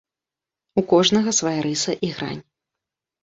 У кожнага свая рыса і грань.